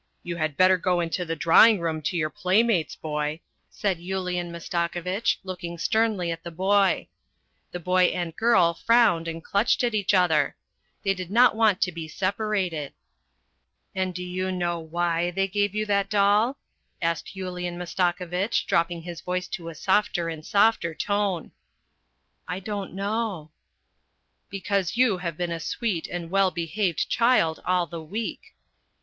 You had better go into the drawing room to your playmates, boy," said Yulian Mastako vitch, looking sternly at the boy. The boy and girl frowned and clutched at each other. They did not want to be separated. " And do you know why they gave you that doll ?" asked Yulian Mastakovitch, dropping his voice to a softer and softer tone. " I don't know." " Because you have been a sweet and well behaved child all the week."